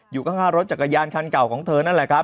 อยู่ข้างรถจักรยานคันเก่าของเธอนั่นแหละครับ